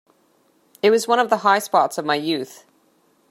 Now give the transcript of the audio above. It was one of the high spots of my youth.